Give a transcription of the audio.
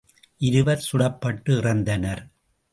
இருவர் சுடப்பட்டு இறந்தனர்.